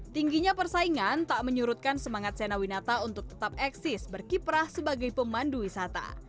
tingginya persaingan tak menyurutkan semangat senawinata untuk tetap eksis berkiprah sebagai pemandu wisata